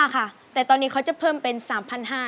๒๕๐๐ค่ะแต่ตอนนี้เขาจะเพิ่มเป็น๓๕๐๐แล้วค่ะ